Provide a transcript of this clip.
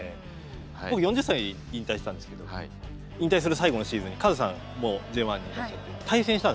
僕４０歳で引退したんですけど引退する最後のシーズンにカズさんもＪ１にいらっしゃって対戦したんですね。